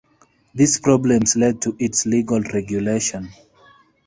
These problems led to its legal regulation.